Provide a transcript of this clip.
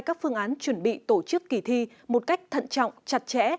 các phương án chuẩn bị tổ chức kỳ thi một cách thận trọng chặt chẽ